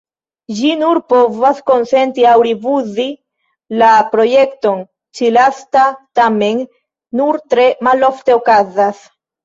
Ĝi nur povas konsenti aŭ rifuzi la projekton; ĉi-lasta tamen nur tre malofte okazas.